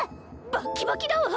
バッキバキだわ！